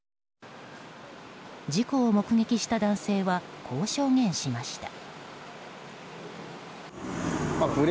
事故を目撃した男性はこう証言しました。